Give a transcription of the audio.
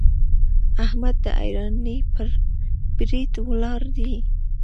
احمد د حيرانۍ پر بريد ولاړ دی.